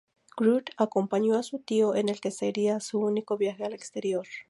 Groot acompañó a su tío en el que sería su único viaje al exterior.